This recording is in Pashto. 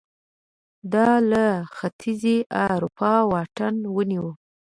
دا له ختیځې اروپا واټن ونیو